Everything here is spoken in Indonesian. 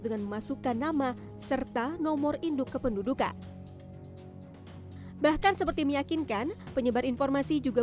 dengan memasukkan nama serta nomor induk kependudukan bahkan seperti meyakinkan penyebar informasi juga